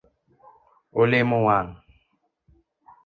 Olemo wang.